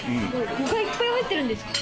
具がいっぱい入ってるんですか？